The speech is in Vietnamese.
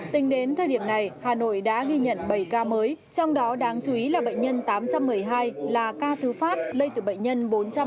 tính đến thời điểm này hà nội đã ghi nhận bảy ca mới trong đó đáng chú ý là bệnh nhân tám trăm một mươi hai là ca thứ phát lây từ bệnh nhân bốn trăm ba mươi